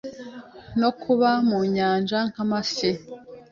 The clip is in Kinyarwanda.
no kuba mu nyanja nk’amafi,